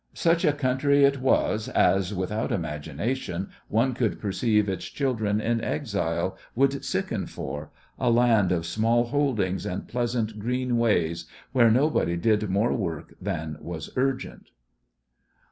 Such a country it was as, without much imagination, one could perceive its children in exile would sicken for—a land of small holdings and pleasant green ways where nobody did more work than was urgent.